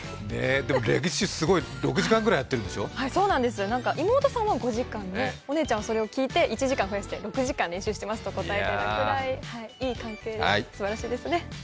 でも練習、６時間くらいやってるんでしょそうなんです、妹さんは５時間で、お姉さんはそれを聞いて１時間増やして６時間練習していますと答えているぐらいいい関係でしたね、すばらしいです。